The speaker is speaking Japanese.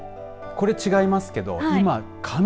これ違いますけど今ね。